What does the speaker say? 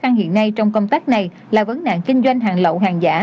tăng hiện nay trong công tác này là vấn nạn kinh doanh hàng lậu hàng giả